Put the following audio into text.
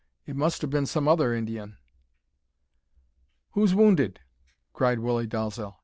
"It must have been some other Indy un." "Who's wounded?" cried Willie Dalzel.